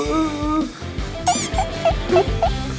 ทุกข์